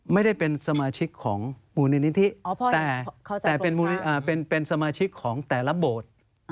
ไม่ได้เป็นสมาชิกของมูลนิธิแต่เป็นสมาชิกของแต่ละโบสถ์